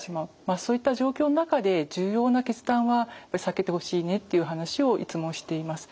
そういった状況の中で重要な決断は避けてほしいねっていう話をいつもしています。